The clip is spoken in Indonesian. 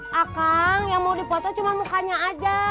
pak kang yang mau dipoto cuma mukanya aja